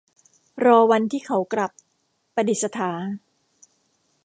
รอวันที่เขากลับ - ประดิษฐา